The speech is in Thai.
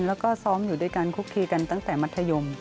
แล้วก็ซ้อมอยู่ด้วยกันคุกคีกันตั้งแต่มัธยม